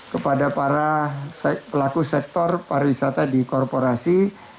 kepada para pelaku sektor pariwisata di korporasi